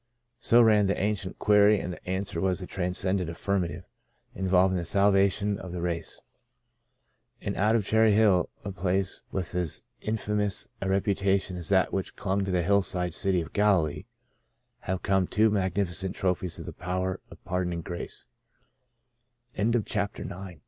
So ran the ancient query, and the answer was a transcendent affirmative, in volving the salvation of the race. And out of Cherry Hill, a place with as infamous a reputation as that which clung to the hillside city of Galilee, have come two magnificent trophies of the